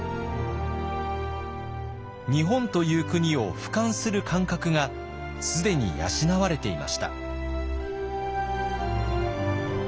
日本という国をふかんする感覚が既に養われていました。